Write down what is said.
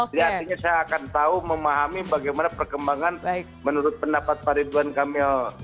jadi artinya saya akan tahu memahami bagaimana perkembangan menurut pendapat pak ridwan kamil